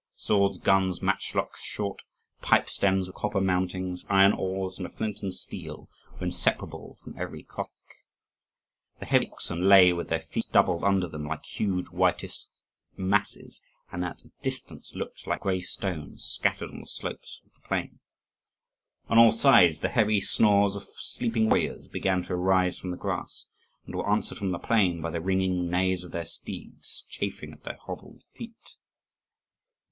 Swords, guns, matchlocks, short pipe stems with copper mountings, iron awls, and a flint and steel were inseparable from every Cossack. The heavy oxen lay with their feet doubled under them like huge whitish masses, and at a distance looked like gray stones scattered on the slopes of the plain. On all sides the heavy snores of sleeping warriors began to arise from the grass, and were answered from the plain by the ringing neighs of their steeds, chafing at their hobbled feet.